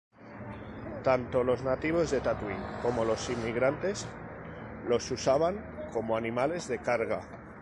Tanto los nativos de Tatooine como los inmigrantes los usaban como animales de carga.